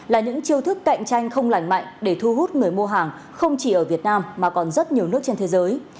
là những chiêu thức cạnh tranh không lành mạnh để thu hút người mua hàng không chỉ ở việt nam mà còn rất nhiều nước trên thế giới